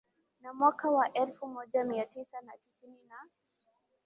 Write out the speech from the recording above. Na mwaka wa elfu moja mia tisa na tisini na